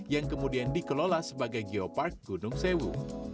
yang kemudian dikelola sebagai geopark gunung sewu